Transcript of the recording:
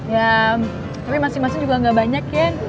ya tapi masing masing juga gak banyak yan